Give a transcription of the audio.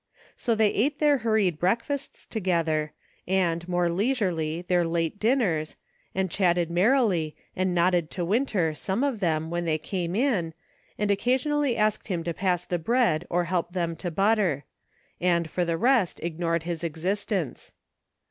So they ate their hur ried breakfasts together, and, more leisurely, their late dinners, and chatted merrily, and nodded to Winter, some of them, when they came in, and occasionally asked him to pass the bread or help them to butter ; and for the rest, ignored his exist ence.